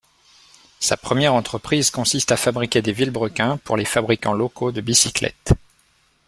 Sa première entreprise consiste à fabriquer des vilebrequins pour les fabricants locaux de bicyclettes.